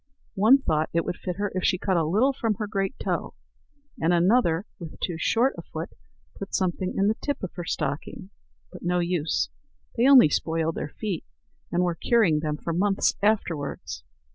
One thought it would fit her if she cut a little from her great toe; and another, with too short a foot, put something in the tip of her stocking. But no use; they only spoiled their feet, and were curing them for months afterwards.